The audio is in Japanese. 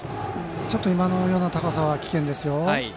今のような高さは危険ですよ。